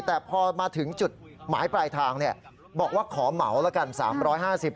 แต่พอมาถึงจุดหมายปลายทางบอกว่าขอเหมาแล้วกัน๓๕๐บาท